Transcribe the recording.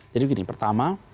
jadi begini pertama